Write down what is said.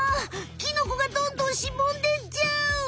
キノコがどんどんしぼんでっちゃう！